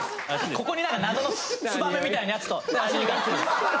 ここになんか謎のツバメみたいなやつと足にガッツリです。